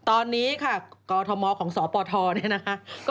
ตอนนี้กรทมของสปธเนี่ยครับ